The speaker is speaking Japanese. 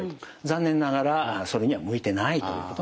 残念ながらそれには向いてないということになります。